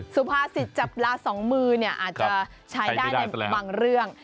สุภาษิตจับปลาสองมือเนี่ยอาจจะใช้ได้ในบางเรื่อง